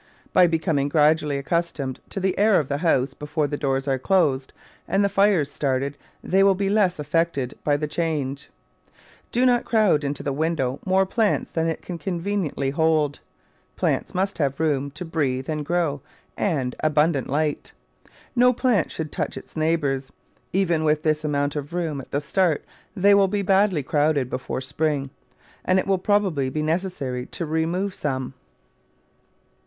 By becoming gradually ac customed to the air of the house before the doors are closed and the fires started, they will be less affected by the change. Do not crowd into the window more plants than it can conveniently hold. Plants must have room to breathe and grow, and abundant light. No plant should touch its neighbours. Even with this amount of room at the start they will be badly crowded before spring, and it will probably be necessary to remove some.